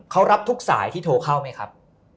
เขารับทุกสายที่โทรเข้าไหมครับ